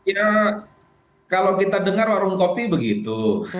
ya kalau kita dengar warung kopi begitu